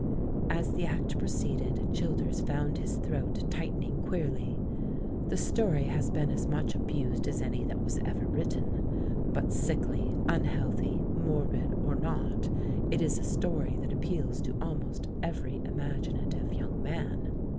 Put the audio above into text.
As the act proceeded, Childers found his throat tightening queerly. The story has been as much abused as any that was ever written; but sickly, unhealthy, morbid, or not, it is a story that ap peals to almost every imaginative young man.